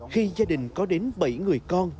khi gia đình có đến bảy người con